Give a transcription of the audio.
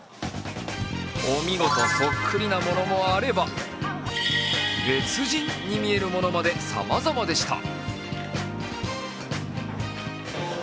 お見事、そっくりなものもあれば別人？に見えるものまでさまざまでした。